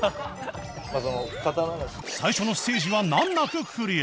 最初のステージは難なくクリア